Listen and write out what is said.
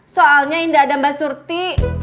soalnya indah ada mbak surti